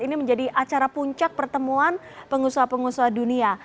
ini menjadi acara puncak pertemuan pengusaha pengusaha dunia